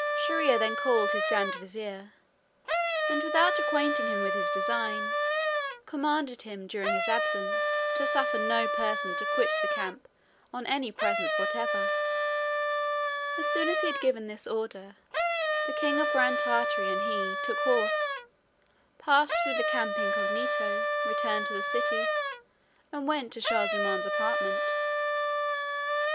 Shier ear then called his grand vizier, and, without acquainting him with his design, commanded him during his absence to suffer no person to quit the camp on any presence whatever. As soon as he had given this order, the king of Grand Tartary and he took horse, passed through the camp incognito, returned to the city, and went to Shaw zummaun's apartment.